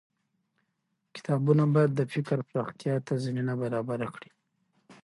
کتابونه بايد د فکر پراختيا ته زمينه برابره کړي.